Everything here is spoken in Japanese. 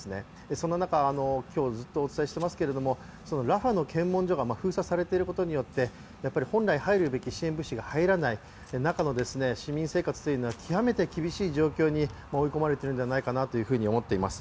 そんな中、今日、ずっとお伝えしていますけれどもラファの検問所が封鎖されていることによって本来入るべき支援物資が入らない、中の市民生活というのは極めて厳しい状況に追い込まれてるんじゃないかと思います。